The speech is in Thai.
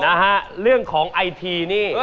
นะฮะเรื่องของไอทีนี่